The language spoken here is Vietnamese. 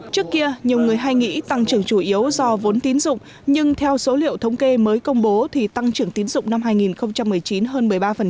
trước kia nhiều người hay nghĩ tăng trưởng chủ yếu do vốn tín dụng nhưng theo số liệu thống kê mới công bố thì tăng trưởng tín dụng năm hai nghìn một mươi chín hơn một mươi ba